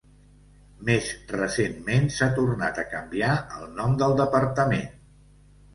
Més recentment, s"ha tornat a canviar el nom del departament.